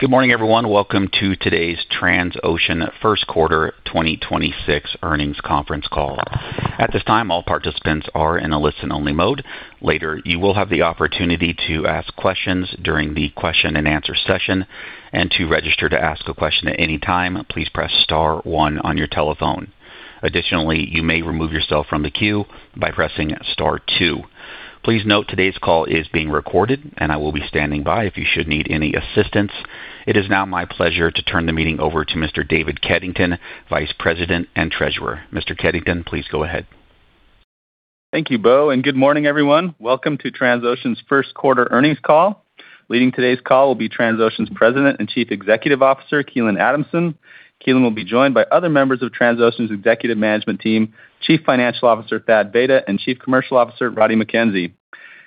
Good morning, everyone. Welcome to today's Transocean first quarter 2026 earnings conference call. At this time, all participants are in a listen-only mode. Later, you will have the opportunity to ask questions during the Q&A session. To register to ask a question at any time, please press star one on your telephone. Additionally, you may remove yourself from the queue by pressing star two. Please note today's call is being recorded and I will be standing by if you should need any assistance. It is now my pleasure to turn the meeting over to Mr. David Keddington, Vice President and Treasurer. Mr. Keddington, please go ahead. Thank you, Beau, and good morning everyone. Welcome to Transocean's first quarter earnings call. Leading today's call will be Transocean's President and Chief Executive Officer, Keelan Adamson. Keelan will be joined by other members of Transocean's executive management team, Chief Financial Officer, R. Thaddeus Vayda, and Chief Commercial Officer, Roddie Mackenzie.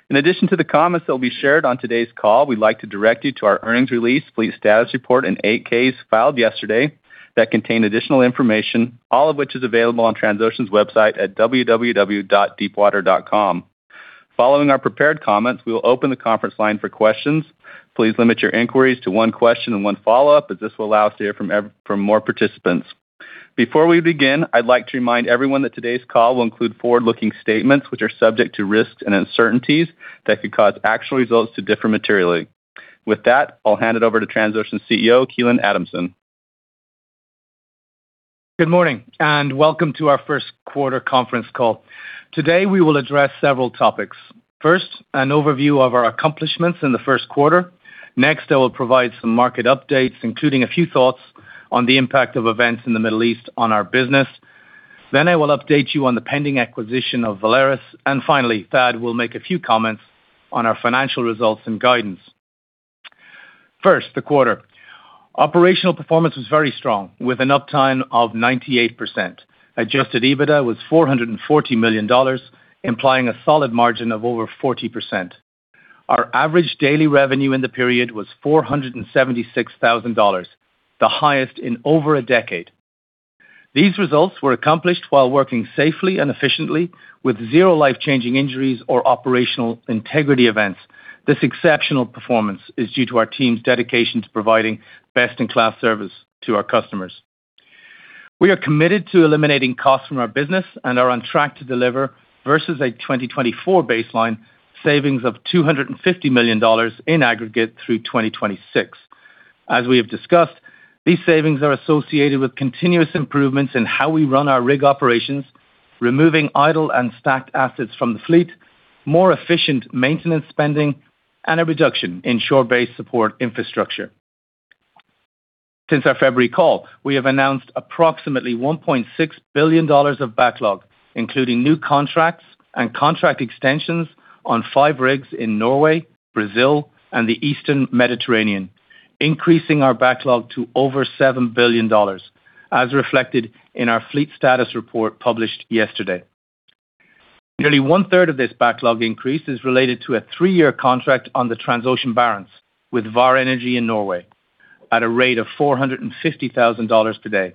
In addition to the comments that will be shared on today's call, we'd like to direct you to our earnings release, fleet status report, and 8-Ks filed yesterday that contain additional information, all of which is available on Transocean's website at www.deepwater.com. Following our prepared comments, we will open the conference line for questions. Please limit your inquiries to one question and one follow-up, as this will allow us to hear from more participants. Before we begin, I'd like to remind everyone that today's call will include forward-looking statements which are subject to risks and uncertainties that could cause actual results to differ materially. With that, I'll hand it over to Transocean CEO, Keelan Adamson. Good morning. Welcome to our first quarter conference call. Today, we will address several topics. First, an overview of our accomplishments in the first quarter. Next, I will provide some market updates, including a few thoughts on the impact of events in the Middle East on our business. I will update you on the pending acquisition of Valaris. Finally, Thad will make a few comments on our financial results and guidance. First, the quarter. Operational performance was very strong, with an uptime of 98%. Adjusted EBITDA was $440 million, implying a solid margin of over 40%. Our average daily revenue in the period was $476,000, the highest in over a decade. These results were accomplished while working safely and efficiently with zero life-changing injuries or operational integrity events. This exceptional performance is due to our team's dedication to providing best-in-class service to our customers. We are committed to eliminating costs from our business and are on track to deliver versus a 2024 baseline savings of $250 million in aggregate through 2026. As we have discussed, these savings are associated with continuous improvements in how we run our rig operations, removing idle and stacked assets from the fleet, more efficient maintenance spending, and a reduction in shore-based support infrastructure. Since our February call, we have announced approximately $1.6 billion of backlog, including new contracts and contract extensions on five rigs in Norway, Brazil, and the Eastern Mediterranean, increasing our backlog to over $7 billion, as reflected in our fleet status report published yesterday. Nearly 1/3 of this backlog increase is related to a three-year contract on the Transocean Barents with Vår Energi in Norway at a rate of $450,000 per day.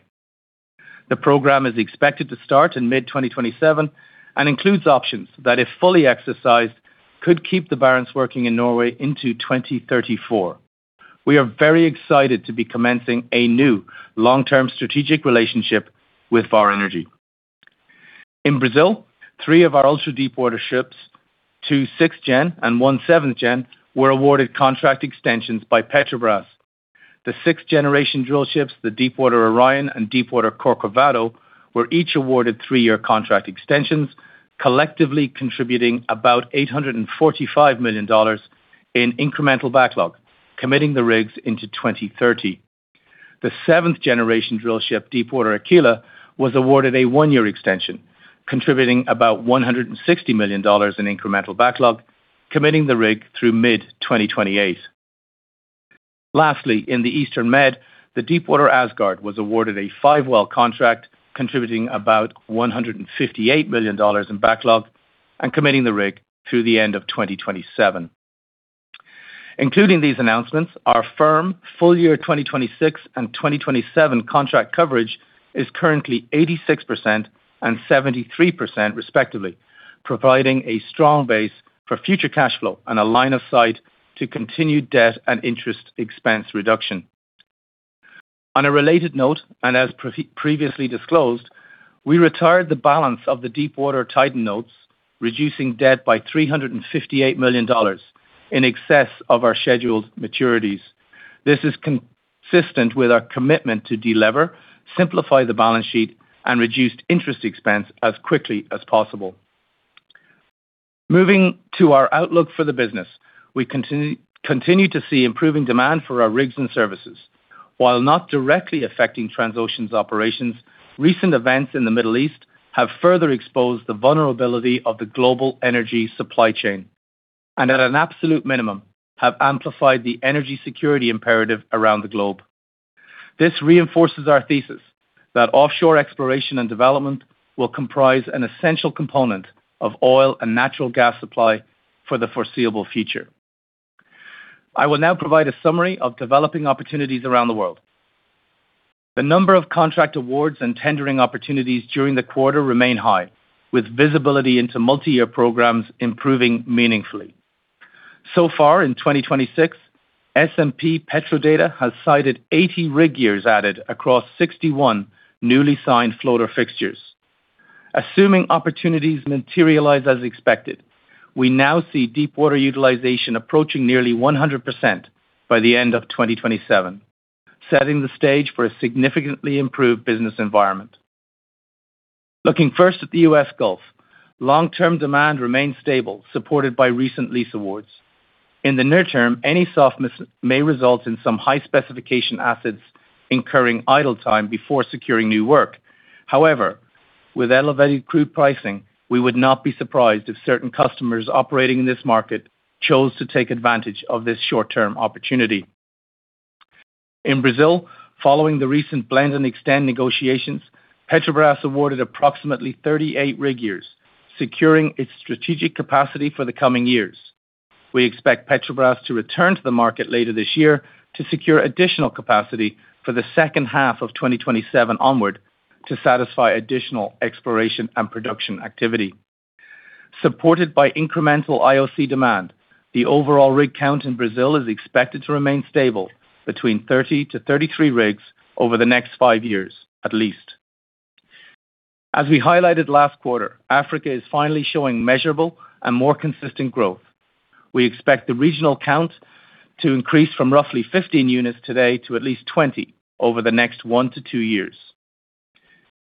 The program is expected to start in mid-2027 and includes options that, if fully exercised, could keep the Barents working in Norway into 2034. We are very excited to be commencing a new long-term strategic relationship with Vår Energi. In Brazil, three of our ultra-deepwater ships, two 6th-gen and one 7th-gen, were awarded contract extensions by Petrobras. The 6th-generation drillships, the Deepwater Orion and Deepwater Corcovado, were each awarded three-year contract extensions, collectively contributing about $845 million in incremental backlog, committing the rigs into 2030. The 7th-generation drill ship, Deepwater Aquila, was awarded a one-year extension, contributing about $160 million in incremental backlog, committing the rig through mid-2028. Lastly, in the Eastern Med, the Deepwater Asgard was awarded a five-well contract, contributing about $158 million in backlog and committing the rig through the end of 2027. Including these announcements, our firm full year 2026 and 2027 contract coverage is currently 86% and 73% respectively, providing a strong base for future cash flow and a line of sight to continued debt and interest expense reduction. On a related note, and as previously disclosed, we retired the balance of the Deepwater Titan notes, reducing debt by $358 million in excess of our scheduled maturities. This is consistent with our commitment to delever, simplify the balance sheet, and reduce interest expense as quickly as possible. Moving to our outlook for the business. We continue to see improving demand for our rigs and services. While not directly affecting Transocean's operations, recent events in the Middle East have further exposed the vulnerability of the global energy supply chain, and at an absolute minimum, have amplified the energy security imperative around the globe. This reinforces our thesis that offshore exploration and development will comprise an essential component of oil and natural gas supply for the foreseeable future. I will now provide a summary of developing opportunities around the world. The number of contract awards and tendering opportunities during the quarter remain high, with visibility into multi-year programs improving meaningfully. So far in 2026, S&P Petrodata has cited 80 rig years added across 61 newly signed floater fixtures. Assuming opportunities materialize as expected, we now see deepwater utilization approaching nearly 100% by the end of 2027, setting the stage for a significantly improved business environment. Looking first at the U.S. Gulf, long-term demand remains stable, supported by recent lease awards. In the near term, any softness may result in some high-specification assets incurring idle time before securing new work. However, with elevated crude pricing, we would not be surprised if certain customers operating in this market chose to take advantage of this short-term opportunity. In Brazil, following the recent blend and extend negotiations, Petrobras awarded approximately 38 rig years, securing its strategic capacity for the coming years. We expect Petrobras to return to the market later this year to secure additional capacity for the second half of 2027 onward to satisfy additional exploration and production activity. Supported by incremental IOC demand, the overall rig count in Brazil is expected to remain stable between 30-33 rigs over the next five years at least. As we highlighted last quarter, Africa is finally showing measurable and more consistent growth. We expect the regional count to increase from roughly 15 units today to at least 20 over the next one to two years.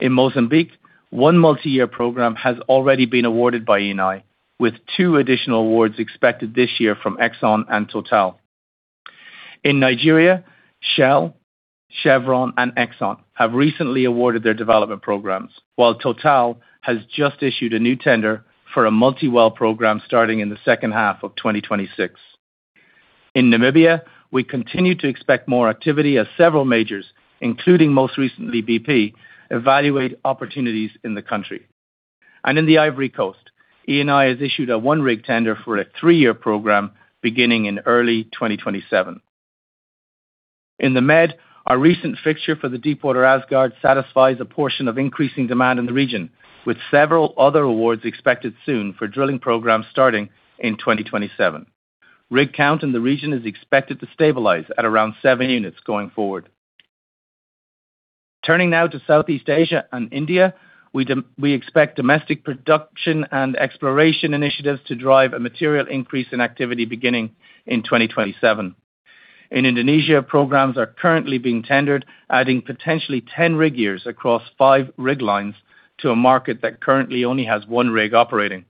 In Mozambique, one multi-year program has already been awarded by Eni, with two additional awards expected this year from Exxon and Total. In Nigeria, Shell, Chevron and Exxon have recently awarded their development programs, while Total has just issued a new tender for a multi-well program starting in the second half of 2026. In Namibia, we continue to expect more activity as several majors, including most recently BP, evaluate opportunities in the country. In the Ivory Coast, Eni has issued a one-rig tender for a three-year program beginning in early 2027. In the Med, our recent fixture for the Deepwater Asgard satisfies a portion of increasing demand in the region, with several other awards expected soon for drilling programs starting in 2027. Rig count in the region is expected to stabilize at around seven units going forward. Turning now to Southeast Asia and India, we expect domestic production and exploration initiatives to drive a material increase in activity beginning in 2027. In Indonesia, programs are currently being tendered, adding potentially 10 rig years across five rig lines to a market that currently only has one rig operating.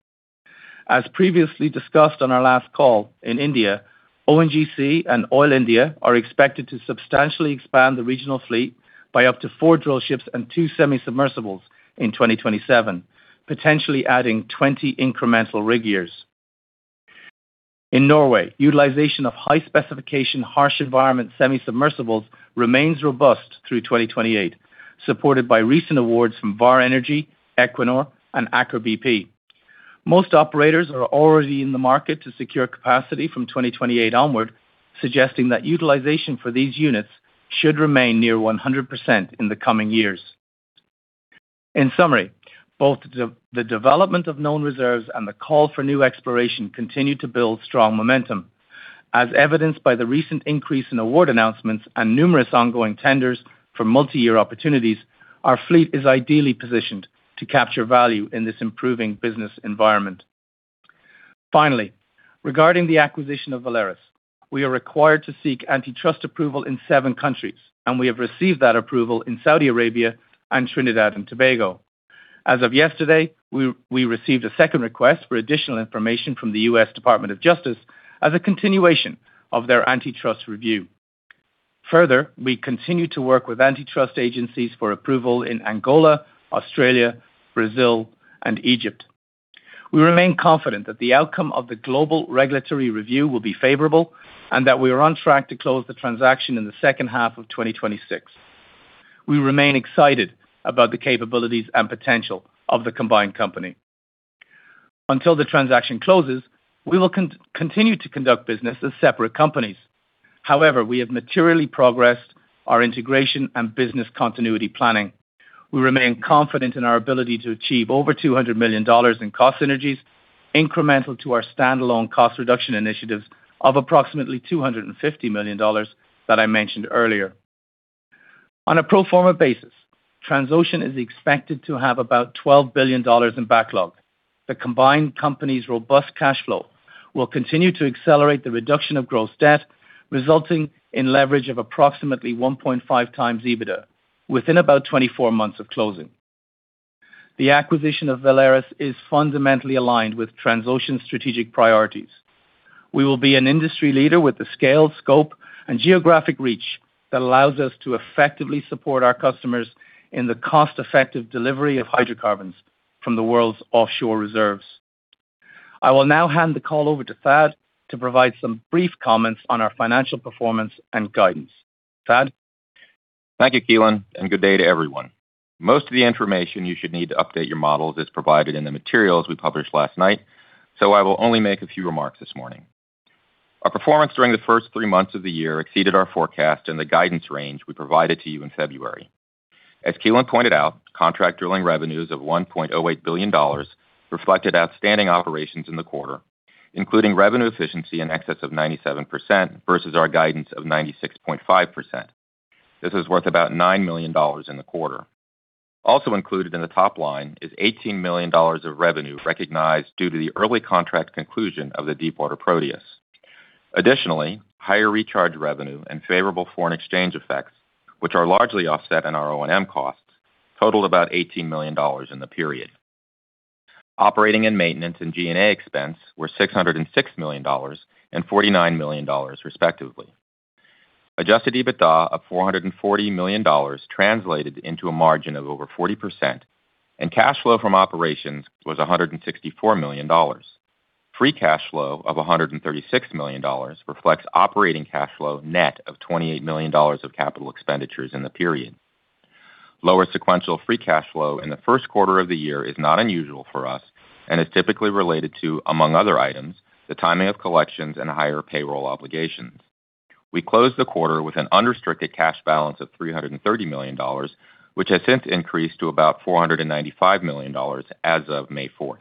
As previously discussed on our last call in India, ONGC and Oil India are expected to substantially expand the regional fleet by up to four drillships and two semi-submersibles in 2027, potentially adding 20 incremental rig years. In Norway, utilization of high-specification, harsh environment semi-submersibles remains robust through 2028, supported by recent awards from Vår Energi, Equinor and Aker BP. Most operators are already in the market to secure capacity from 2028 onward, suggesting that utilization for these units should remain near 100% in the coming years. In summary, both the development of known reserves and the call for new exploration continue to build strong momentum. As evidenced by the recent increase in award announcements and numerous ongoing tenders for multi-year opportunities, our fleet is ideally positioned to capture value in this improving business environment. Finally, regarding the acquisition of Valaris, we are required to seek antitrust approval in seven countries, and we have received that approval in Saudi Arabia and Trinidad and Tobago. As of yesterday, we received a second request for additional information from the U.S. Department of Justice as a continuation of their antitrust review. Further, we continue to work with antitrust agencies for approval in Angola, Australia, Brazil and Egypt. We remain confident that the outcome of the global regulatory review will be favorable and that we are on track to close the transaction in the second half of 2026. We remain excited about the capabilities and potential of the combined company. Until the transaction closes, we will continue to conduct business as separate companies. However, we have materially progressed our integration and business continuity planning. We remain confident in our ability to achieve over $200 million in cost synergies incremental to our standalone cost reduction initiatives of approximately $250 million that I mentioned earlier. On a pro forma basis, Transocean is expected to have about $12 billion in backlog. The combined company's robust cash flow will continue to accelerate the reduction of gross debt, resulting in leverage of approximately 1.5x EBITDA within about 24 months of closing. The acquisition of Valaris is fundamentally aligned with Transocean's strategic priorities. We will be an industry leader with the scale, scope and geographic reach that allows us to effectively support our customers in the cost-effective delivery of hydrocarbons from the world's offshore reserves. I will now hand the call over to Thad to provide some brief comments on our financial performance and guidance. Thad? Thank you, Keelan, and good day to everyone. Most of the information you should need to update your models is provided in the materials we published last night, so I will only make a few remarks this morning. Our performance during the first three months of the year exceeded our forecast and the guidance range we provided to you in February. As Keelan pointed out, contract drilling revenues of $1.08 billion reflected outstanding operations in the quarter, including revenue efficiency in excess of 97% versus our guidance of 96.5%. This is worth about $9 million in the quarter. Also included in the top line is $18 million of revenue recognized due to the early contract conclusion of the Deepwater Proteus. Additionally, higher recharge revenue and favorable foreign exchange effects, which are largely offset in our O&M costs, totaled about $18 million in the period. Operating and maintenance and G&A expense were $606 million and $49 million respectively. Adjusted EBITDA of $440 million translated into a margin of over 40% and cash flow from operations was $164 million. Free cash flow of $136 million reflects operating cash flow net of $28 million of capital expenditures in the period. Lower sequential free cash flow in the first quarter of the year is not unusual for us and is typically related to, among other items, the timing of collections and higher payroll obligations. We closed the quarter with an unrestricted cash balance of $330 million, which has since increased to about $495 million as of May 4th.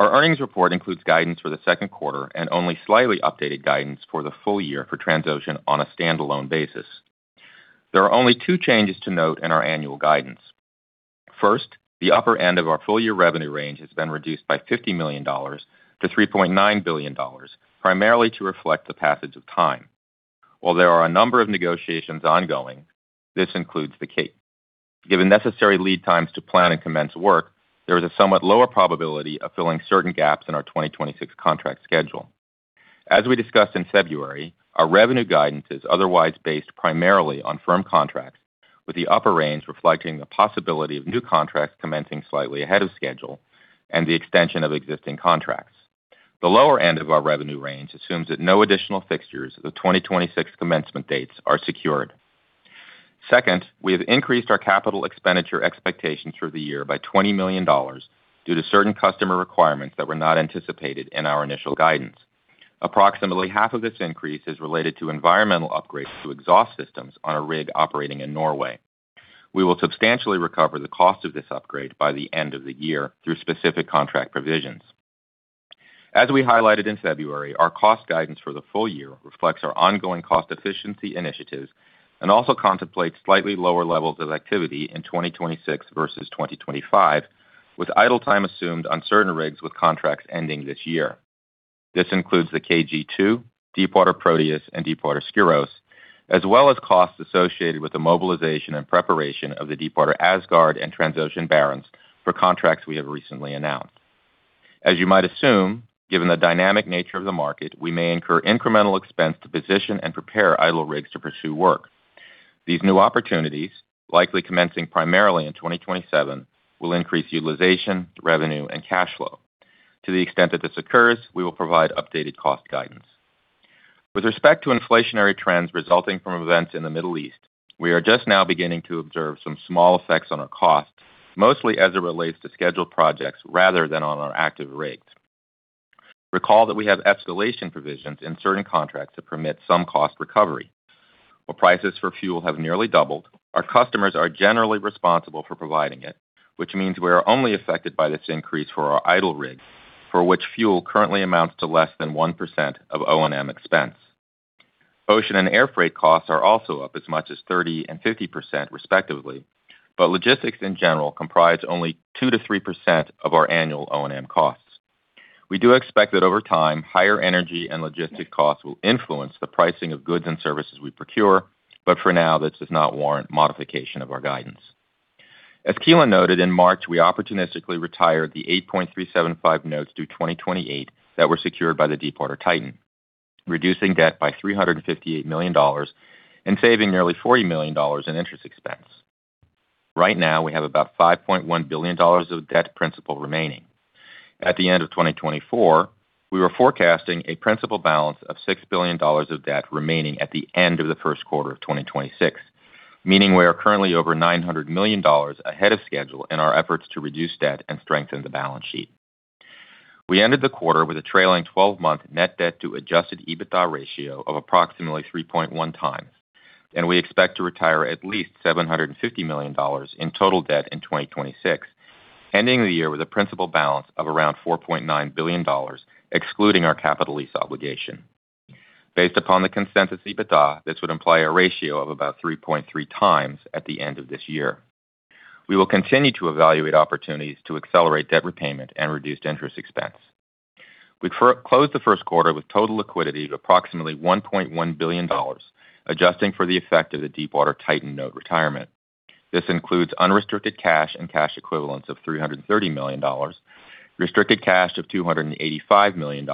Our earnings report includes guidance for the second quarter and only slightly updated guidance for the full year for Transocean on a standalone basis. There are only two changes to note in our annual guidance. First, the upper end of our full-year revenue range has been reduced by $50 million-$3.9 billion, primarily to reflect the passage of time. While there are a number of negotiations ongoing, this includes the Cape. Given necessary lead times to plan and commence work, there is a somewhat lower probability of filling certain gaps in our 2026 contract schedule. As we discussed in February, our revenue guidance is otherwise based primarily on firm contracts, with the upper range reflecting the possibility of new contracts commencing slightly ahead of schedule and the extension of existing contracts. The lower end of our revenue range assumes that no additional fixtures of the 2026 commencement dates are secured. Second, we have increased our capital expenditure expectations for the year by $20 million due to certain customer requirements that were not anticipated in our initial guidance. Approximately half of this increase is related to environmental upgrades to exhaust systems on a rig operating in Norway. We will substantially recover the cost of this upgrade by the end of the year through specific contract provisions. As we highlighted in February, our cost guidance for the full year reflects our ongoing cost efficiency initiatives and also contemplates slightly lower levels of activity in 2026 versus 2025, with idle time assumed on certain rigs with contracts ending this year. This includes the KG-2, Deepwater Proteus, and Deepwater Skyros, as well as costs associated with the mobilization and preparation of the Deepwater Asgard and Transocean Barents for contracts we have recently announced. As you might assume, given the dynamic nature of the market, we may incur incremental expense to position and prepare idle rigs to pursue work. These new opportunities, likely commencing primarily in 2027, will increase utilization, revenue, and cash flow. To the extent that this occurs, we will provide updated cost guidance. With respect to inflationary trends resulting from events in the Middle East, we are just now beginning to observe some small effects on our costs, mostly as it relates to scheduled projects rather than on our active rigs. Recall that we have escalation provisions in certain contracts that permit some cost recovery. While prices for fuel have nearly doubled, our customers are generally responsible for providing it, which means we are only affected by this increase for our idle rigs, for which fuel currently amounts to less than 1% of O&M expense. Ocean and air freight costs are also up as much as 30% and 50% respectively, but logistics in general comprise only 2%-3% of our annual O&M costs. We do expect that over time, higher energy and logistics costs will influence the pricing of goods and services we procure. For now, this does not warrant modification of our guidance. As Keelan noted, in March, we opportunistically retired the 8.375 notes due 2028 that were secured by the Deepwater Titan, reducing debt by $358 million and saving nearly $40 million in interest expense. Right now, we have about $5.1 billion of debt principal remaining. At the end of 2024, we were forecasting a principal balance of $6 billion of debt remaining at the end of the first quarter of 2026, meaning we are currently over $900 million ahead of schedule in our efforts to reduce debt and strengthen the balance sheet. We ended the quarter with a trailing 12-month net debt to adjusted EBITDA ratio of approximately 3.1x, and we expect to retire at least $750 million in total debt in 2026, ending the year with a principal balance of around $4.9 billion, excluding our capital lease obligation. Based upon the consensus EBITDA, this would imply a ratio of about 3.3x at the end of this year. We will continue to evaluate opportunities to accelerate debt repayment and reduce interest expense. We closed the first quarter with total liquidity of approximately $1.1 billion, adjusting for the effect of the Deepwater Titan note retirement. This includes unrestricted cash and cash equivalents of $330 million, restricted cash of $285 million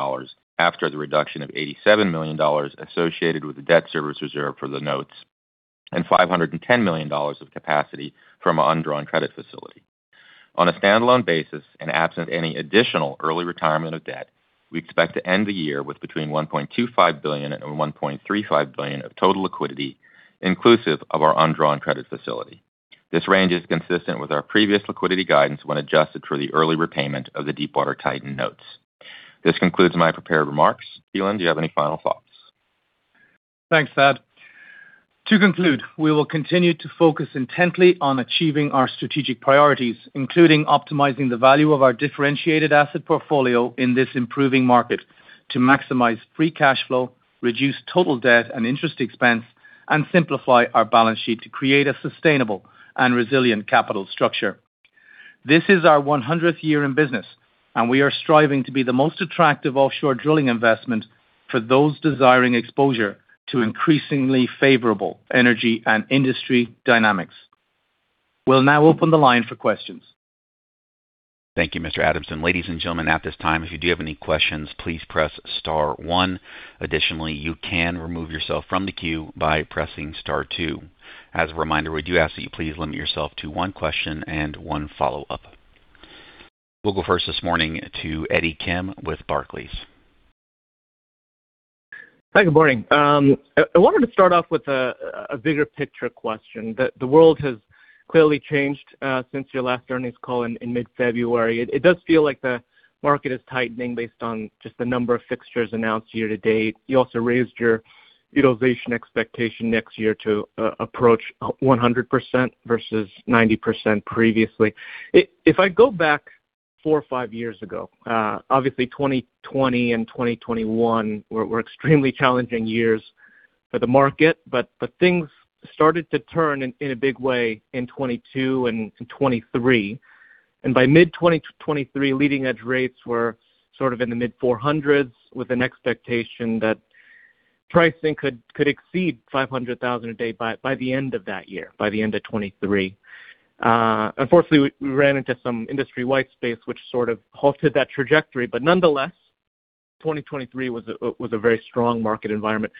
after the reduction of $87 million associated with the debt service reserve for the notes, and $510 million of capacity from our undrawn credit facility. On a standalone basis and absent any additional early retirement of debt, we expect to end the year with between $1.25 billion and $1.35 billion of total liquidity, inclusive of our undrawn credit facility. This range is consistent with our previous liquidity guidance when adjusted for the early repayment of the Deepwater Titan notes. Keelan Adamson, do you have any final thoughts? Thanks, Thad. To conclude, we will continue to focus intently on achieving our strategic priorities, including optimizing the value of our differentiated asset portfolio in this improving market to maximize free cash flow, reduce total debt and interest expense, and simplify our balance sheet to create a sustainable and resilient capital structure. This is our 100th year in business, and we are striving to be the most attractive offshore drilling investment for those desiring exposure to increasingly favorable energy and industry dynamics. We'll now open the line for questions. Thank you, Mr. Adamson. Ladies and gentlemen, at this time, if you do have any questions, please press star one. You can remove yourself from the queue by pressing star two. As a reminder, we do ask that you please limit yourself to one question and one follow-up. We'll go first this morning to Eddie Kim with Barclays. Hi, good morning. I wanted to start off with a bigger picture question. The world has clearly changed since your last earnings call in mid-February. It does feel like the market is tightening based on just the number of fixtures announced year to date. You also raised your utilization expectation next year to approach 100% versus 90% previously. If I go back four or five years ago, obviously 2020 and 2021 were extremely challenging years for the market, but things started to turn in a big way in 2022 and 2023. By mid-2022-2023, leading-edge rates were sort of in the mid $400s with an expectation that pricing could exceed $500,000 a day by the end of that year, by the end of 2023. Unfortunately, we ran into some industry-wide pace which sort of halted that trajectory, but nonetheless, 2023 was a very strong market environment.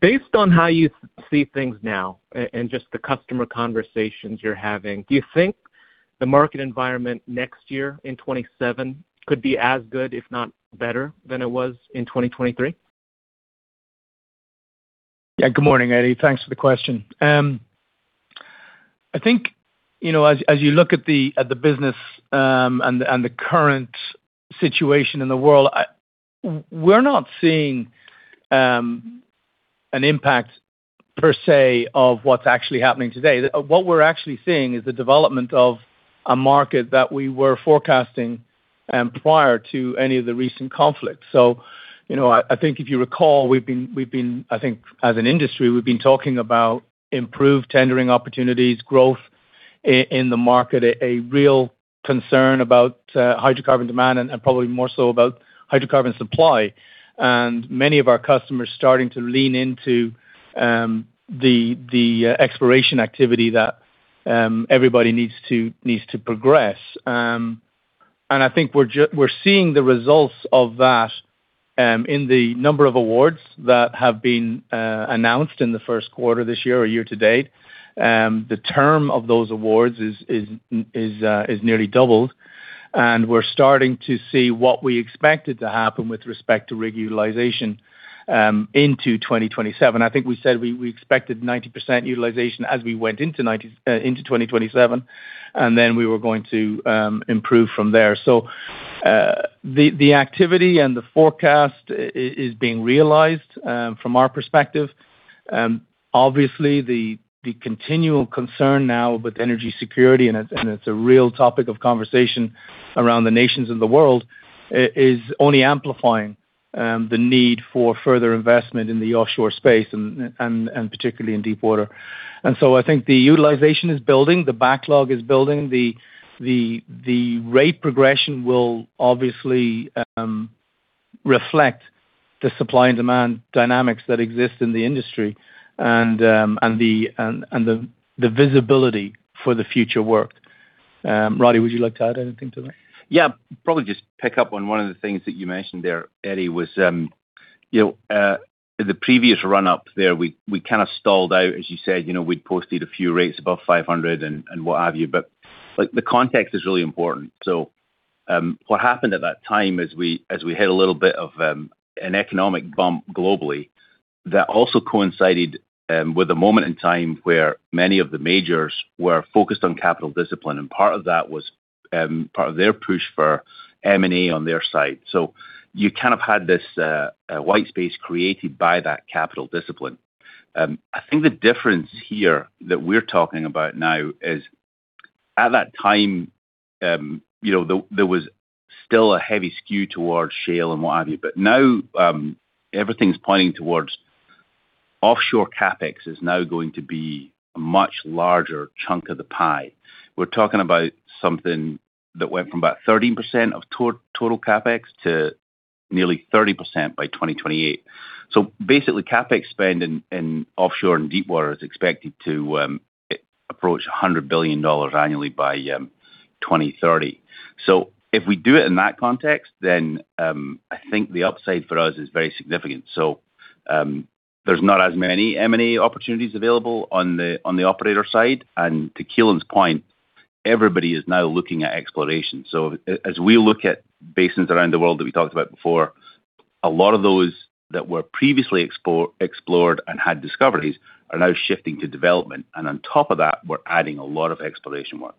Based on how you see things now and just the customer conversations you're having, do you think the market environment next year in 2027 could be as good, if not better than it was in 2023? Yeah. Good morning, Eddie. Thanks for the question. I think, you know, as you look at the business, and the current situation in the world, we're not seeing an impact per se of what's actually happening today. What we're actually seeing is the development of a market that we were forecasting prior to any of the recent conflicts. You know, I think if you recall, we've been, I think as an industry, we've been talking about improved tendering opportunities, growth in the market, a real concern about hydrocarbon demand and probably more so about hydrocarbon supply. Many of our customers starting to lean into the exploration activity that everybody needs to progress. I think we're seeing the results of that, in the number of awards that have been announced in the first quarter this year or year to date. The term of those awards is nearly doubled, and we're starting to see what we expected to happen with respect to rig utilization, into 2027. I think we said we expected 90% utilization as we went into 2027, and then we were going to improve from there. The activity and the forecast is being realized, from our perspective. Obviously the continual concern now with energy security, and it's a real topic of conversation around the nations of the world, is only amplifying the need for further investment in the offshore space and particularly in deep water. I think the utilization is building, the backlog is building. The rate progression will obviously reflect the supply and demand dynamics that exist in the industry and the visibility for the future work. Roddie, would you like to add anything to that? Yeah. Probably just pick up on one of the things that you mentioned there, Eddie, was, you know, the previous run-up there, we kinda stalled out. As you said, you know, we'd posted a few rates above $500 and what have you. Like, the context is really important. What happened at that time as we hit a little bit of an economic bump globally, that also coincided with a moment in time where many of the majors were focused on capital discipline, and part of that was part of their push for M&A on their side. You kind of had this white space created by that capital discipline. I think the difference here that we're talking about now is at that time, you know, there was still a heavy skew towards shale and what have you. Now, everything's pointing towards offshore CapEx is now going to be a much larger chunk of the pie. We're talking about something that went from about 13% of total CapEx to nearly 30% by 2028. Basically, CapEx spend in offshore and deep water is expected to approach $100 billion annually by 2030. If we do it in that context, I think the upside for us is very significant. There's not as many M&A opportunities available on the operator side. To Keelan's point, everybody is now looking at exploration. As we look at basins around the world that we talked about before. A lot of those that were previously explored and had discoveries are now shifting to development. On top of that, we're adding a lot of exploration work.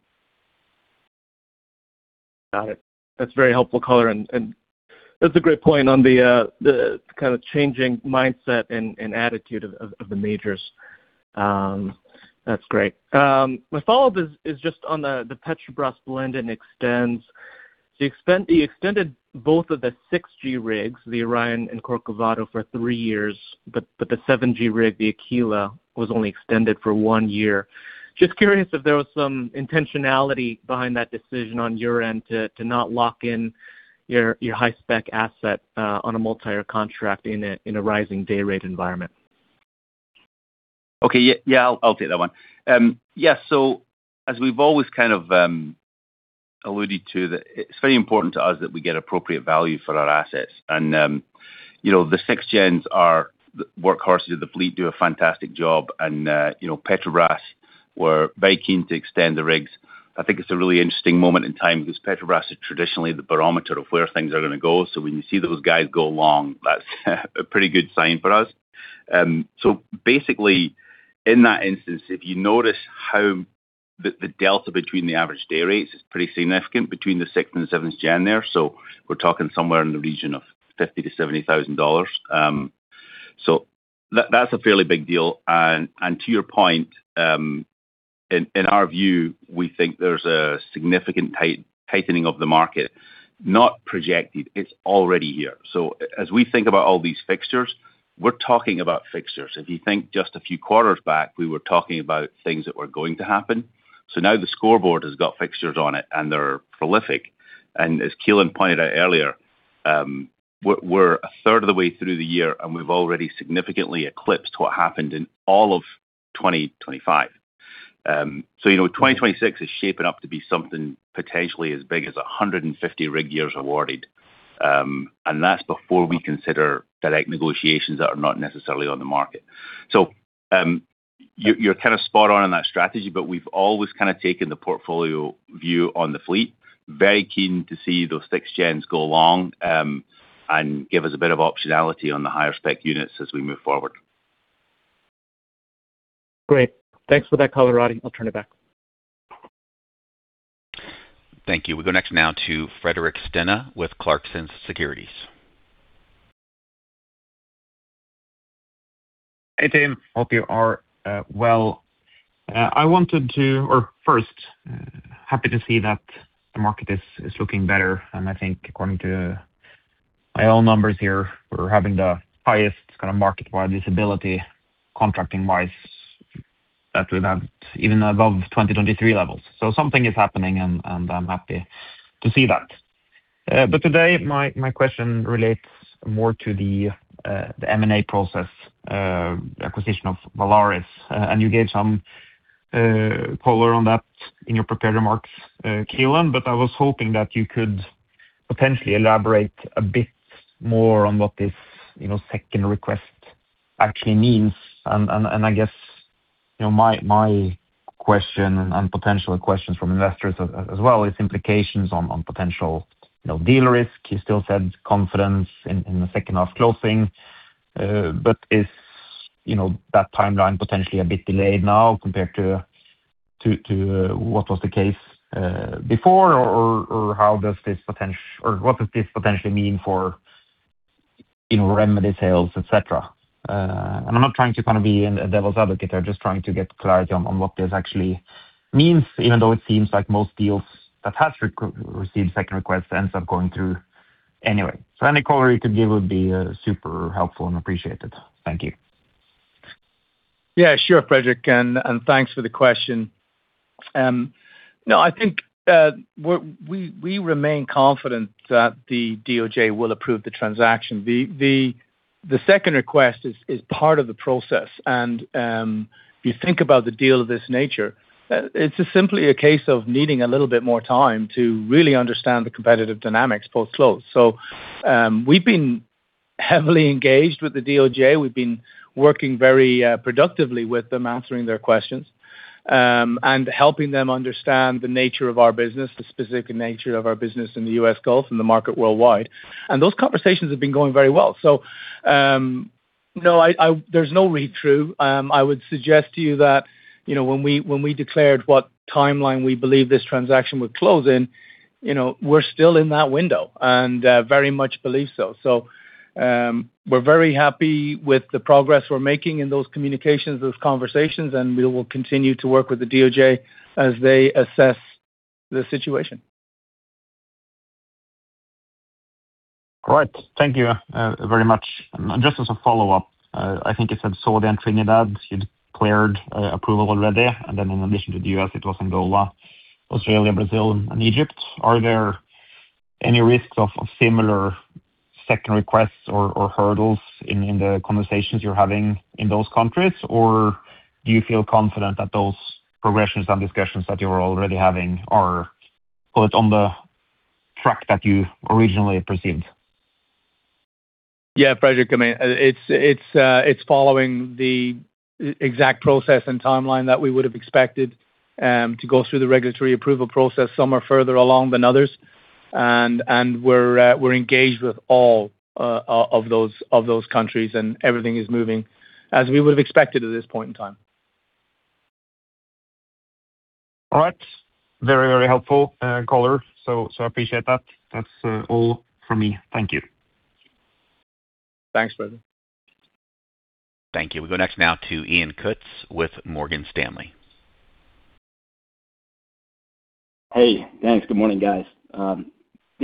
Got it. That's very helpful color and that's a great point on the kind of changing mindset and attitude of the majors. That's great. My follow-up is just on the Petrobras blend and extends. You extended both of the 6G rigs, the Orion and Corcovado for three years, but the 7G rig, the Aquila, was only extended for one year. Just curious if there was some intentionality behind that decision on your end to not lock in your high spec asset on a multi-year contract in a rising day rate environment. Yeah, I'll take that one. Yeah, as we've always kind of alluded to that it's very important to us that we get appropriate value for our assets. You know, the 6th-gen are the workhorses of the fleet, do a fantastic job and, you know, Petrobras were very keen to extend the rigs. I think it's a really interesting moment in time because Petrobras is traditionally the barometer of where things are gonna go. When you see those guys go long, that's a pretty good sign for us. Basically in that instance, if you notice how the delta between the average day rates is pretty significant between the 6th-gen and 7th-gen there. We're talking somewhere in the region of $50,000-$70,000. That's a fairly big deal. To your point, in our view, we think there's a significant tightening of the market, not projected, it's already here. As we think about all these fixtures, we're talking about fixtures. If you think just a few quarters back, we were talking about things that were going to happen. Now the scoreboard has got fixtures on it, and they're prolific. As Keelan pointed out earlier, we're a third of the way through the year, and we've already significantly eclipsed what happened in all of 2025. You know, 2026 is shaping up to be something potentially as big as 150 rig years awarded. That's before we consider direct negotiations that are not necessarily on the market. You're kind of spot on in that strategy, but we've always kind of taken the portfolio view on the fleet. Very keen to see those 6 gens go along, and give us a bit of optionality on the higher spec units as we move forward. Great. Thanks for that color, Roddie. I'll turn it back. Thank you. We go next now to Fredrik Stene with Clarksons Securities. Hey, team. Hope you are well. First, happy to see that the market is looking better. I think according to my own numbers here, we're having the highest kind of market-wide visibility contracting-wise that we've had even above 2023 levels. Something is happening and I'm happy to see that. Today my question relates more to the M&A process, acquisition of Valaris. You gave some color on that in your prepared remarks, Keelan Adamson, but I was hoping that you could potentially elaborate a bit more on what this, you know, second request actually means. I guess, you know, my question and potential questions from investors as well is implications on potential, you know, dilution risk. You still said confidence in the second half closing. Is, you know, that timeline potentially a bit delayed now compared to what was the case before? Or what does this potentially mean for, you know, remedy sales, et cetera? I'm not trying to kinda be a devil's advocate. I'm just trying to get clarity on what this actually means, even though it seems like most deals that have received second requests ends up going through anyway. Any color you could give would be super helpful and appreciated. Thank you. Yeah, sure, Fredrik, thanks for the question. No, I think, we remain confident that the DOJ will approve the transaction. The second request is part of the process. If you think about the deal of this nature, it's simply a case of needing a little bit more time to really understand the competitive dynamics post-close. We've been heavily engaged with the DOJ. We've been working very productively with them, answering their questions, helping them understand the nature of our business, the specific nature of our business in the U.S. Gulf and the market worldwide. Those conversations have been going very well. No, there's no read-through. I would suggest to you that, you know, when we, when we declared what timeline we believe this transaction would close in, you know, we're still in that window and very much believe so. We're very happy with the progress we're making in those communications, those conversations, and we will continue to work with the DOJ as they assess the situation. All right. Thank you very much. Just as a follow-up, I think you said Saudi and Trinidad, you declared approval already. Then in addition to the U.S., it was Angola, Australia, Brazil, and Egypt. Are there any risks of similar second requests or hurdles in the conversations you're having in those countries? Or do you feel confident that those progressions and discussions that you are already having are put on the track that you originally perceived? Yeah, Fredrik, I mean, it's following the exact process and timeline that we would have expected to go through the regulatory approval process. Some are further along than others. We're engaged with all of those countries. Everything is moving as we would have expected at this point in time. All right. Very, very helpful, caller. I appreciate that. That's all from me. Thank you. Thanks, Fredrik Stene. Thank you. We go next now toDan Kutz with Morgan Stanley.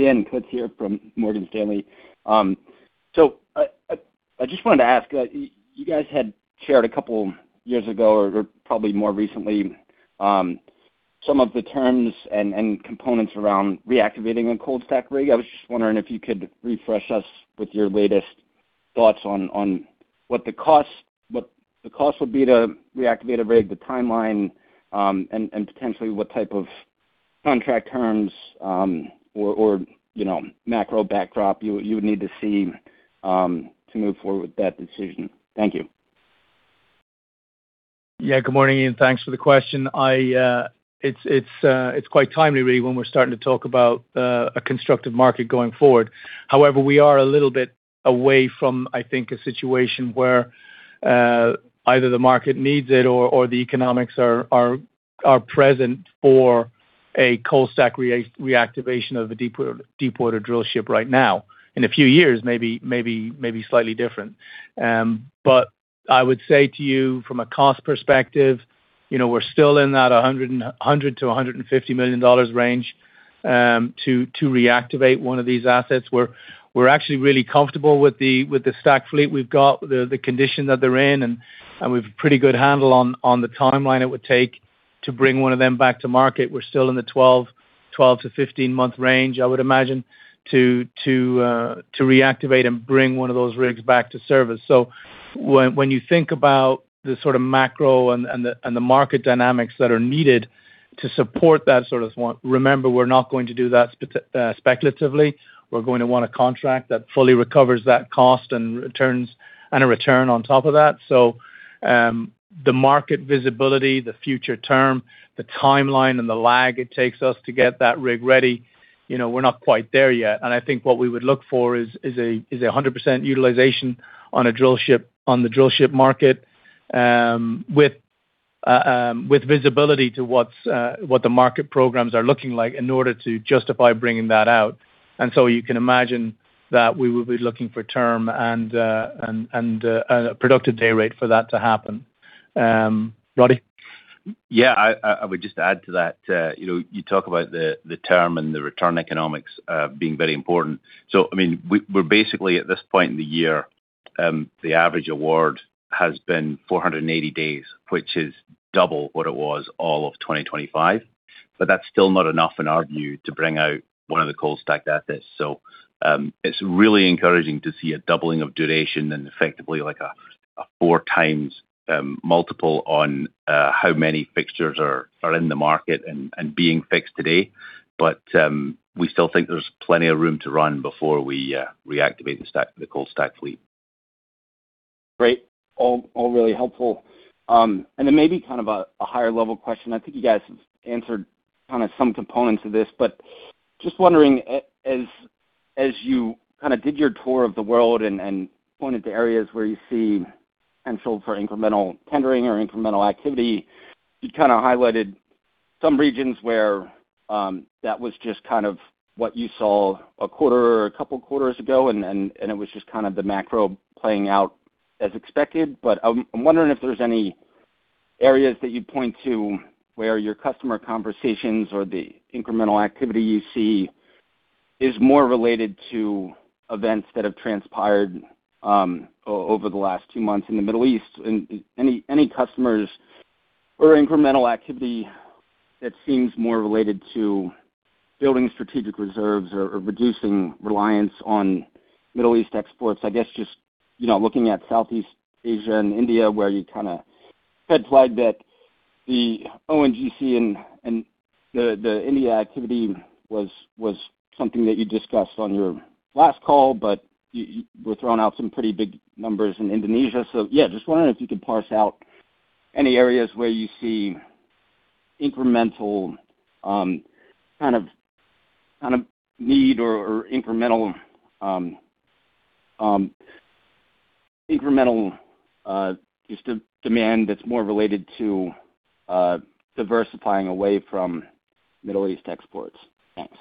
Hey, thanks. Good morning, guys. Dan Kutz here from Morgan Stanley. I just wanted to ask, you guys had shared a couple years ago or probably more recently, some of the terms and components around reactivating a cold stack rig. I was just wondering if you could refresh us with your latest thoughts on what the cost would be to reactivate a rig, the timeline, and potentially what type of contract terms or, you know, macro backdrop you would need to see to move forward with that decision. Thank you. Yeah. Good morning, Dan. Thanks for the question. I, it's quite timely really when we're starting to talk about a constructive market going forward. However, we are a little bit away from, I think, a situation where either the market needs it or the economics are present for a cold stack reactivation of a deepwater drillship right now. In a few years, maybe slightly different. But I would say to you from a cost perspective, you know, we're still in that $100 million-$150 million range to reactivate one of these assets. We're actually really comfortable with the stack fleet we've got, the condition that they're in, and we've a pretty good handle on the timeline it would take to bring one of them back to market. We're still in the 12-15 month range, I would imagine, to reactivate and bring one of those rigs back to service. When you think about the sort of macro and the market dynamics that are needed to support that. Remember, we're not going to do that speculatively. We're going to want a contract that fully recovers that cost and a return on top of that. The market visibility, the future term, the timeline and the lag it takes us to get that rig ready, you know, we're not quite there yet. I think what we would look for is a 100% utilization on the drillship market, with visibility to what the market programs are looking like in order to justify bringing that out. You can imagine that we will be looking for term and a productive day rate for that to happen. Roddie? Yeah. I would just add to that, you know, you talk about the term and the return economics being very important. I mean, we're basically at this point in the year, the average award has been 480 days, which is double what it was all of 2025. That's still not enough in our view to bring out one of the cold stacked assets. It's really encouraging to see a doubling of duration and effectively like a 4 times multiple on how many fixtures are in the market and being fixed today. We still think there's plenty of room to run before we reactivate the cold stack fleet. Great. All really helpful. Then maybe kind of a higher level question. I think you guys have answered kinda some components of this. Just wondering, as you kinda did your tour of the world and pointed to areas where you see potential for incremental tendering or incremental activity, you kinda highlighted some regions where that was just kind of what you saw a quarter or a couple quarters ago, and it was just kind of the macro playing out as expected. I'm wondering if there's any areas that you'd point to where your customer conversations or the incremental activity you see is more related to events that have transpired over the last two months in the Middle East. Any customers or incremental activity that seems more related to building strategic reserves or reducing relDance on Middle East exports. I guess just, you know, looking at Southeast Asia and India, where you kinda red flagged that the ONGC and the India activity was something that you discussed on your last call, but you were throwing out some pretty big numbers in Indonesia. Yeah, just wondering if you could parse out any areas where you see incremental, kind of need or incremental, just de-demand that's more related to diversifying away from Middle East exports. Thanks.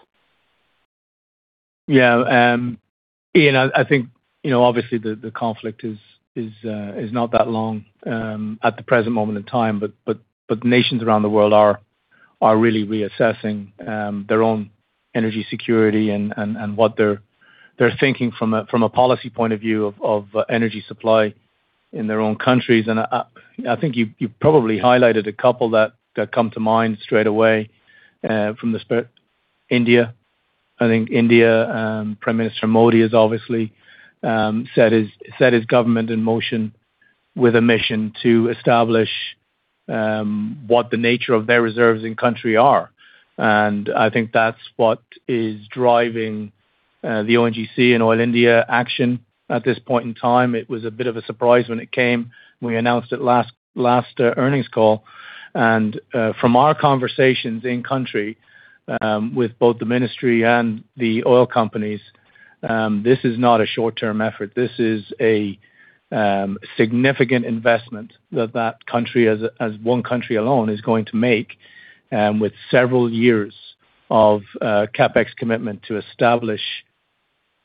Yeah. Dan, I think, you know, obviously the conflict is not that long at the present moment in time, but nations around the world are really reassessing their own energy security and what they're thinking from a policy point of view of energy supply in their own countries. I think you probably highlighted a couple that come to mind straight away from the start. India. I think India, Prime Minister Modi has obviously set his government in motion with a mission to establish what the nature of their reserves in country are. I think that's what is driving the ONGC and Oil India action at this point in time, it was a bit of a surprise when it came. We announced it last earnings call. From our conversations in country, with both the ministry and the oil companies, this is not a short-term effort. This is a significant investment that that country as one country alone is going to make, with several years of CapEx commitment to establish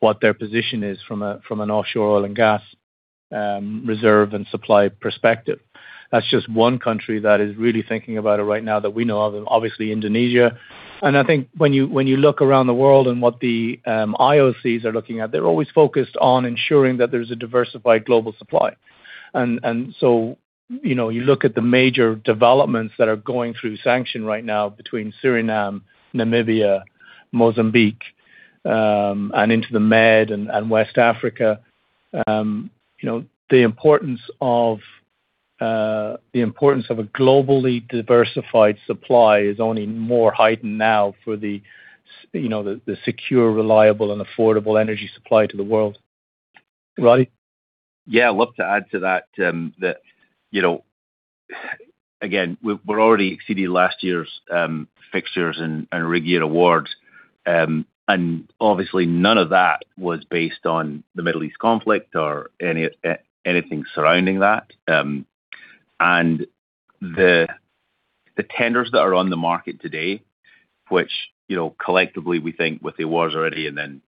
what their position is from an offshore oil and gas reserve and supply perspective. That's just one country that is really thinking about it right now that we know of, and obviously Indonesia. I think when you look around the world and what the IOCs are looking at, they're always focused on ensuring that there's a diversified global supply. You know, you look at the major developments that are going through sanction right now between Suriname, Namibia, Mozambique, and into the Med and West Africa. You know, the importance of a globally diversified supply is only more heightened now for the secure, reliable, and affordable energy supply to the world. Roddie? Yeah, I'd love to add to that, you know, again, we're already exceeding last year's fixtures and rig year awards. Obviously none of that was based on the Middle East conflict or anything surrounding that. The tenders that are on the market today, which, you know, collectively we think with the awards already and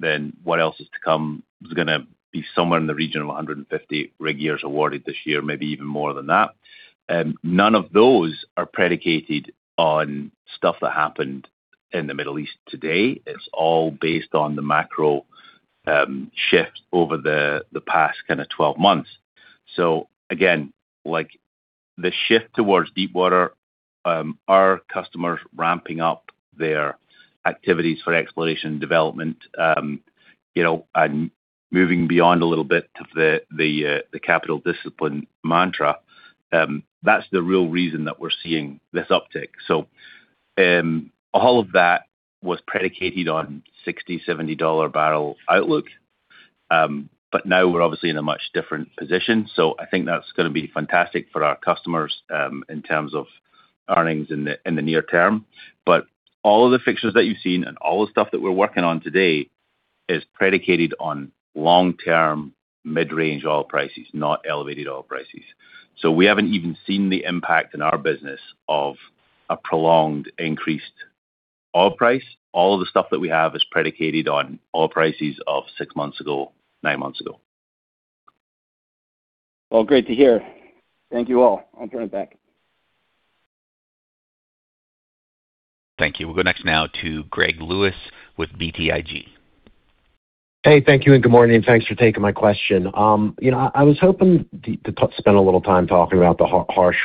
then what else is to come, is gonna be somewhere in the region of 150 rig years awarded this year, maybe even more than that. None of those are predicated on stuff that happened in the Middle East today. It's all based on the macro shifts over the past kinda 12 months. Again, like the shift towards deepwater, our customers ramping up their activities for exploration and development, you know, and moving beyond a little bit of the capital discipline mantra, that's the real reason that we're seeing this uptick. All of that was predicated on $60 bbl-$70 bbl outlook. Now we're obviously in a much different position, so I think that's gonna be fantastic for our customers in terms of earnings in the near term. All of the fixtures that you've seen and all the stuff that we're working on today is predicated on long-term mid-range oil prices, not elevated oil prices. We haven't even seen the impact in our business of a prolonged increased oil price. All of the stuff that we have is predicated on oil prices of six months ago, nine months ago. Well, great to hear. Thank you all. I'll turn it back. Thank you. We'll go next now to Greg Lewis with BTIG. Hey, thank you and good morning, and thanks for taking my question. you know, I was hoping to spend a little time talking about the harsh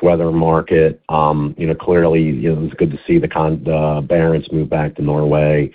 weather market. you know, clearly, you know, it's good to see the Barents move back to Norway.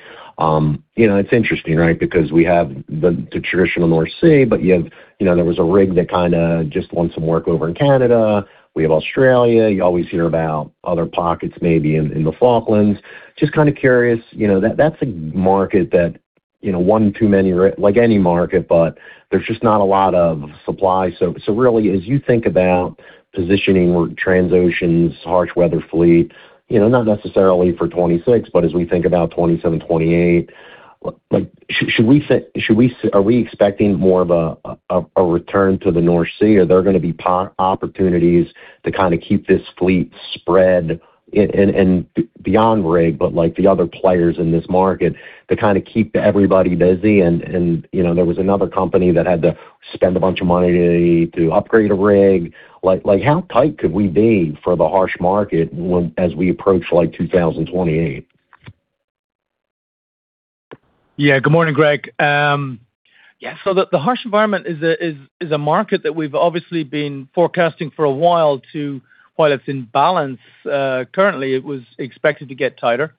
you know, it's interesting, right? Because we have the traditional North Sea, but you have, you know, there was a rig that kinda just won some work over in Canada. We have Australia. You always hear about other pockets maybe in the Falklands. Just kinda curious, you know, that's a market that, you know, one too many like any market, but there's just not a lot of supply. Really, as you think about positioning Transocean's harsh weather fleet, you know, not necessarily for 2026, but as we think about 2027, 2028, like, should we be expecting more of a, a return to the North Sea? Are there gonna be opportunities to kinda keep this fleet spread and, beyond rig, but like the other players in this market to kinda keep everybody busy? You know, there was another company that had to spend a bunch of money to upgrade a rig. Like, how tight could we be for the harsh market as we approach like 2028? Yeah. Good morning, Greg. The harsh environment is a market that we've obviously been forecasting for a while to, while it's in balance, currently it was expected to get tighter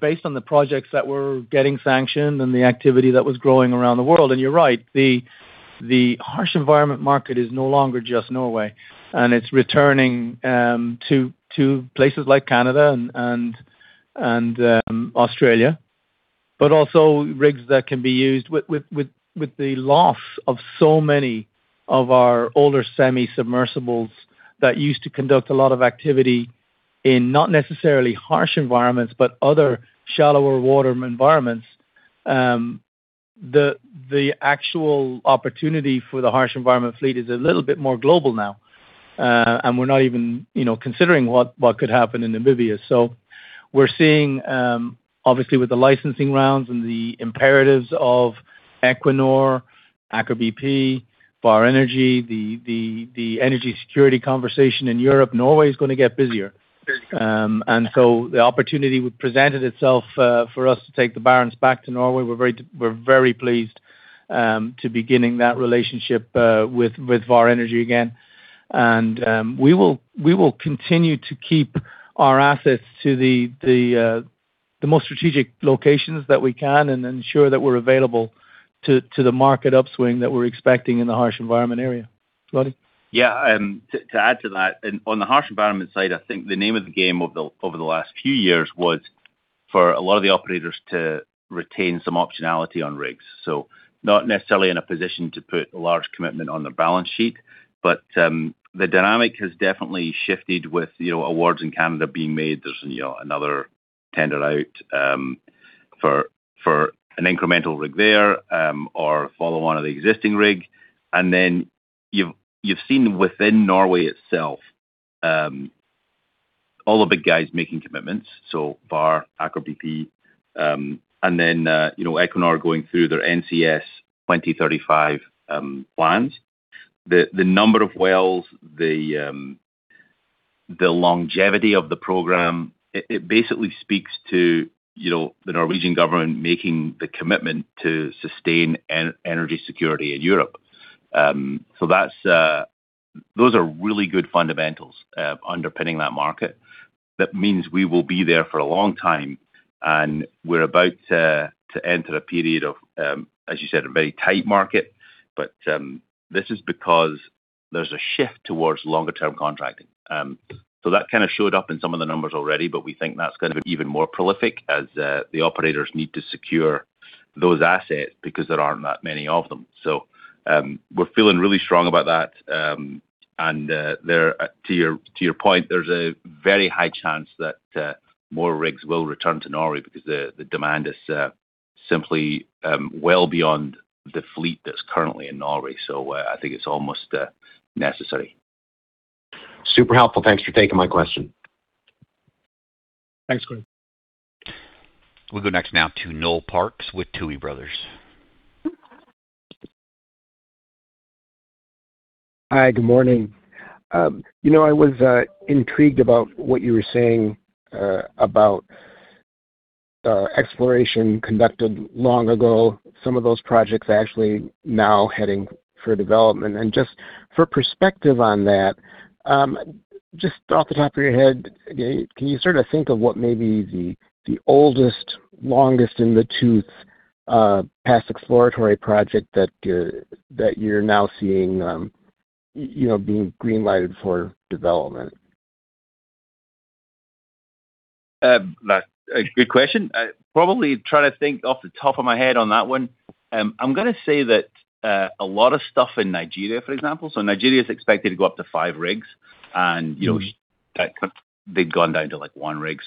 based on the projects that were getting sanctioned and the activity that was growing around the world. You're right, the harsh environment market is no longer just Norway, and it's returning to places like Canada and Australia. Also rigs that can be used with the loss of so many of our older semi-submersibles that used to conduct a lot of activity in not necessarily harsh environments but other shallower water environments. The actual opportunity for the harsh environment fleet is a little bit more global now. We're not even, you know, considering what could happen in Namibia. We're seeing, obviously with the licensing rounds and the imperatives of Equinor, Aker BP, Vår Energi, the energy security conversation in Europe, Norway is gonna get busier. The opportunity presented itself for us to take the Barents back to Norway. We're very pleased to beginning that relationship with Vår Energi again. We will continue to keep our assets to the most strategic locations that we can and ensure that we're available To the market upswing that we're expecting in the harsh environment area. Roddie? Yeah, to add to that, on the harsh environment side, I think the name of the game over the last few years was for a lot of the operators to retain some optionality on rigs. Not necessarily in a position to put a large commitment on their balance sheet, but the dynamic has definitely shifted with, you know, awards in Canada being made. There's, you know, another tender out for an incremental rig there, or follow on of the existing rig. You've seen within Norway itself, all the big guys making commitments, so Vår, Aker BP, and then, you know, Equinor going through their NCS 2035 plans. The number of wells, the longevity of the program, it basically speaks to, you know, the Norwegian government making the commitment to sustain energy security in Europe. Those are really good fundamentals underpinning that market. That means we will be there for a long time, and we're about to enter a period of, as you said, a very tight market. This is because there's a shift towards longer term contracting. That kind of showed up in some of the numbers already, but we think that's gonna be even more prolific as the operators need to secure those assets because there aren't that many of them. We're feeling really strong about that, and there, to your point, there's a very high chance that more rigs will return to Norway because the demand is simply well beyond the fleet that's currently in Norway. I think it's almost necessary. Super helpful. Thanks for taking my question. Thanks, Greg. We'll go next now to Noel Parks with Tuohy Brothers. Hi. Good morning. You know, I was intrigued about what you were saying, about exploration conducted long ago, some of those projects actually now heading for development. Just for perspective on that, just off the top of your head, can you sort of think of what may be the oldest, longest in the tooth, past exploratory project that you're now seeing, you know, being green-lighted for development? That's a good question. Probably trying to think off the top of my head on that one. I'm gonna say that a lot of stuff in Nigeria, for example. Nigeria is expected to go up to 5 rigs, and you know. they've gone down to, like, one rig.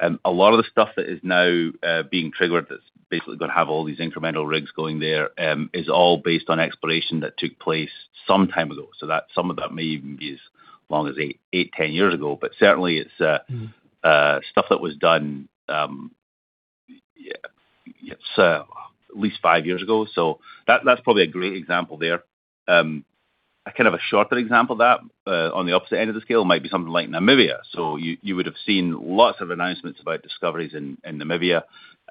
A lot of the stuff that is now being triggered that's basically gonna have all these incremental rigs going there, is all based on exploration that took place some time ago. Some of that may even be as long as eight, 10 years ago. Stuff that was done, at least five years ago. That's probably a great example there. A kind of a shorter example of that, on the opposite end of the scale might be something like Namibia. You would have seen lots of announcements about discoveries in Namibia,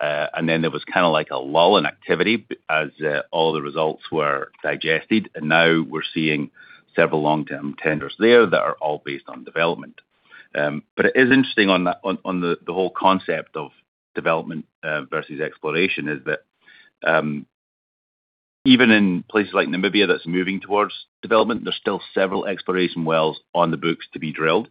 and then there was kinda like a lull in activity as all the results were digested. Now we're seeing several long-term tenders there that are all based on development. It is interesting on the whole concept of development versus exploration, is that even in places like Namibia that's moving towards development, there's still several exploration wells on the books to be drilled.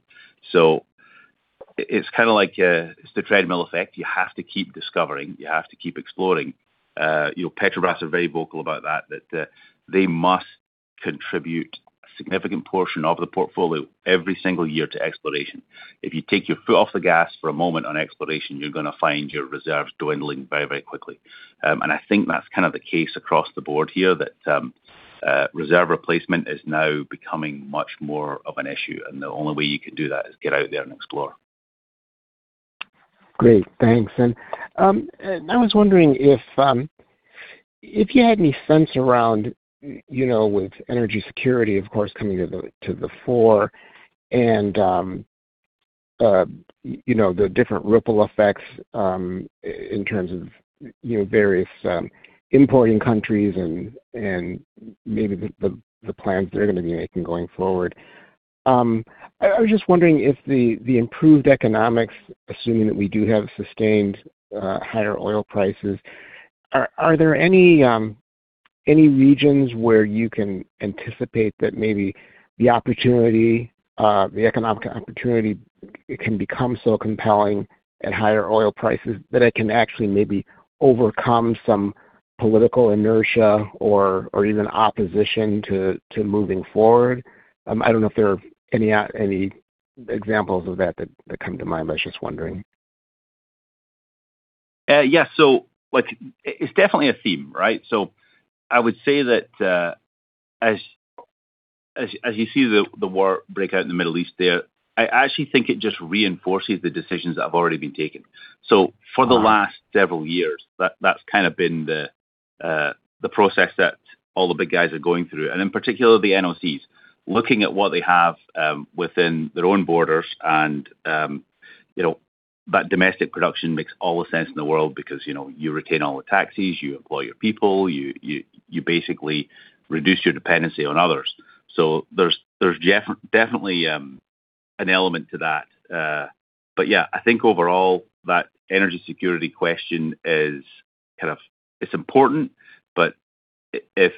It's kinda like, it's the treadmill effect. You have to keep discovering. You have to keep exploring. You know, Petrobras are very vocal about that they must contribute a significant portion of the portfolio every single year to exploration. If you take your foot off the gas for a moment on exploration, you're gonna find your reserves dwindling very, very quickly. I think that's kind of the case across the board here, that reserve replacement is now becoming much more of an issue. The only way you can do that is get out there and explore. Great. Thanks. I was wondering if you had any sense around, you know, with energy security, of course, coming to the fore and, you know, the different ripple effects in terms of, you know, various importing countries and maybe the plans they're gonna be making going forward. I was just wondering if the improved economics, assuming that we do have sustained higher oil prices, are there any regions where you can anticipate that maybe the opportunity, the economic opportunity can become so compelling at higher oil prices that it can actually maybe overcome some political inertia or even opposition to moving forward? I don't know if there are any examples of that that come to mind, but I was just wondering. Yeah. Like, it's definitely a theme, right? I would say that, as you see the war break out in the Middle East there, I actually think it just reinforces the decisions that have already been taken. For the last several years, that's kind of been the process that all the big guys are going through, and in particular the NOCs, looking at what they have within their own borders and, you know, that domestic production makes all the sense in the world because, you know, you retain all the taxes, you employ your people, you basically reduce your dependency on others. There's definitely an element to that. Yeah, I think overall that energy security question is kind of it's important, if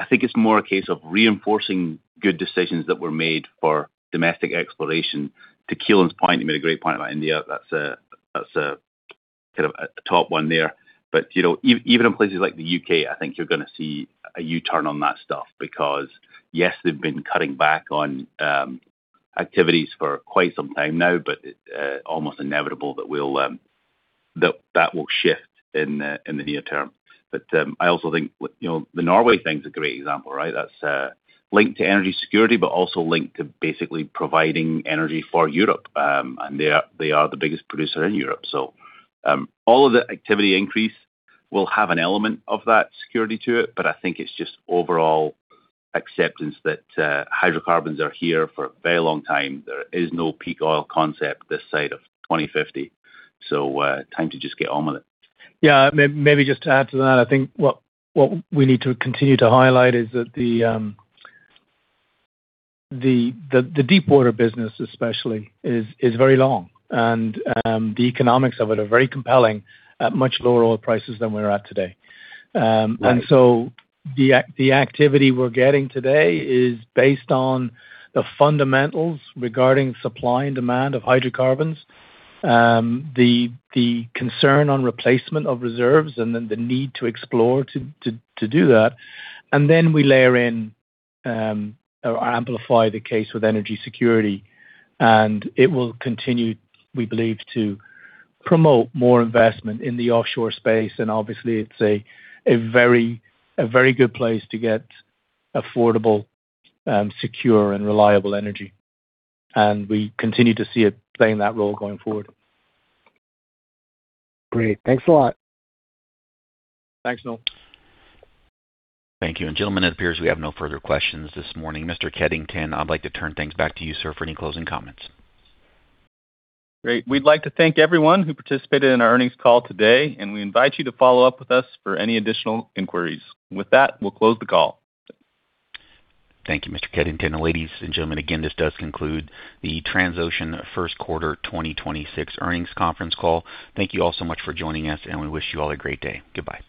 I think it's more a case of reinforcing good decisions that were made for domestic exploration. To Keelan's point, he made a great point about India. That's a kind of a top one there. You know, even in places like the U.K., I think you're gonna see a U-turn on that stuff because, yes, they've been cutting back on activities for quite some time now, but it almost inevitable that we'll that will shift in the near term. I also think, you know, the Norway thing is a great example, right? That's linked to energy security, but also linked to basically providing energy for Europe. They are the biggest producer in Europe. All of the activity increase will have an element of that security to it, but I think it's just overall acceptance that hydrocarbons are here for a very long time. There is no peak oil concept this side of 2050. Time to just get on with it. Yeah. Maybe just to add to that, I think what we need to continue to highlight is that the deepwater business especially is very long. The economics of it are very compelling at much lower oil prices than we're at today. Right The activity we're getting today is based on the fundamentals regarding supply and demand of hydrocarbons, the concern on replacement of reserves and the need to explore to do that. Then we layer in or amplify the case with energy security. It will continue, we believe, to promote more investment in the offshore space. Obviously it's a very good place to get affordable, secure and reliable energy. We continue to see it playing that role going forward. Great. Thanks a lot. Thanks, Noel. Thank you. Gentlemen, it appears we have no further questions this morning. Mr. Keddington, I'd like to turn things back to you, sir, for any closing comments. Great. We'd like to thank everyone who participated in our earnings call today. We invite you to follow up with us for any additional inquiries. With that, we'll close the call. Thank you, Mr. Keddington. Ladies and gentlemen, again, this does conclude the Transocean first quarter 2026 earnings conference call. Thank you all so much for joining us, and we wish you all a great day. Goodbye.